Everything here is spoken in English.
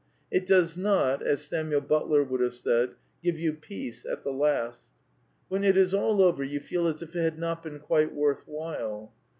It does not, as Samuel But ler would have said, give you " peace at the last." When it is all over you feel as if it had not been quite worth while.